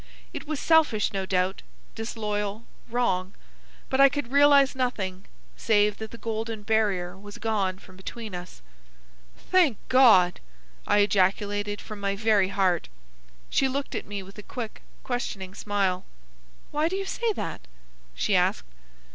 It was selfish, no doubt, disloyal, wrong, but I could realise nothing save that the golden barrier was gone from between us. "Thank God!" I ejaculated from my very heart. She looked at me with a quick, questioning smile. "Why do you say that?" she asked.